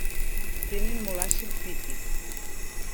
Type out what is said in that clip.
Tenen molt àcid fític.